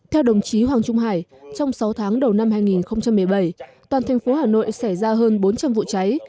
theo đồng chí hoàng trung hải trong sáu tháng đầu năm hai nghìn một mươi bảy toàn thành phố hà nội xảy ra hơn bốn trăm linh vụ cháy